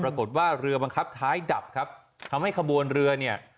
ปรากฏว่าเรือบังคับท้ายดับครับทำให้ขบวนเรือเนี่ย